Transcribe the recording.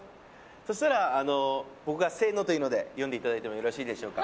そしたらあの僕がせーの！と言うので読んでいただいてもよろしいでしょうか？